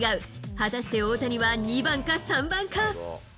果たして大谷は２番か３番か。